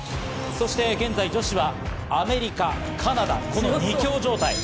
そして現在、女子はアメリカ、カナダ、この２強状態。